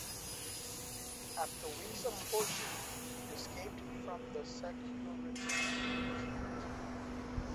After weeks of torture he escaped from the Securitate imprisonment.